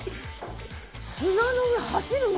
砂の上走るの？